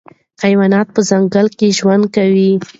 حیوانات په ځنګل کې ژوند کوي.